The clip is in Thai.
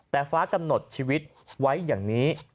แต่ฟ้ากำหนดชีวิตไว้อย่างนี้